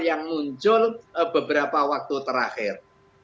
yang muncul beberapa waktu terakhir